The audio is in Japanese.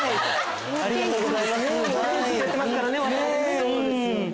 そうですよね。